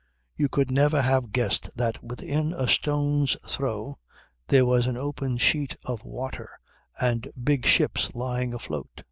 You could never have guessed that within a stone's throw there was an open sheet of water and big ships lying afloat.